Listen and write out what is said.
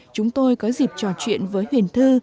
chúng tôi có dịp trò chuyện với huyền thư